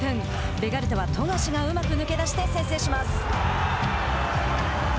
ベガルタは富樫がうまく抜け出して先制します。